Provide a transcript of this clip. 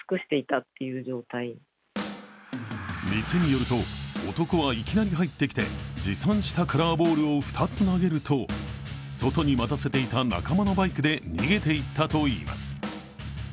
店によると、男はいきなり入ってきて持参したカラーボールを２つ投げると外に待たせていた仲間のバイクで逃げていったといいます。